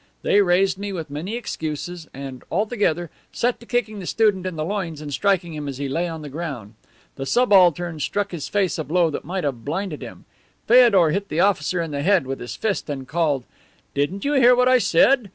They raised me with many excuses and, all together, set to kicking the student in the loins and striking at him as he lay on the ground. The subaltern struck his face a blow that might have blinded him. Feodor hit the officer in the head with his fist and called, 'Didn't you hear what I said?